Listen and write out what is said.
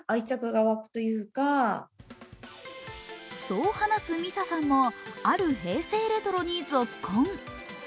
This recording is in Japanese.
そう話すミサさんも、ある平成レトロにゾッコン。